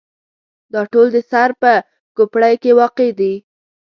دا ټول د سر په کوپړۍ کې واقع دي.